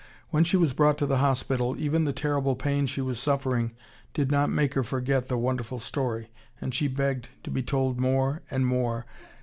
When she was brought to the hospital even the terrible pain she was suffering did not make her forget the wonderful story, and she begged to be told more and more.